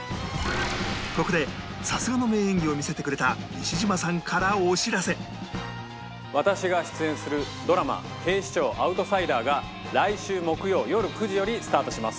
ここでさすがの名演技を見せてくれた私が出演するドラマ『警視庁アウトサイダー』が来週木曜よる９時よりスタートします。